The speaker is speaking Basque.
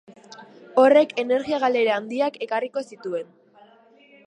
Horrek energia galera handiak ekarriko zituen.